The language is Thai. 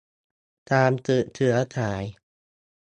การสืบเชื้อสาย